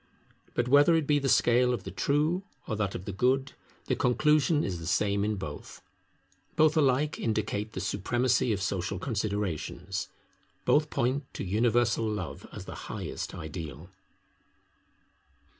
But whether it be the scale of the True or that of the Good, the conclusion is the same in both. Both alike indicate the supremacy of social considerations; both point to universal Love as the highest ideal.